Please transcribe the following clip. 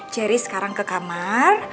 cherry sekarang ke kamar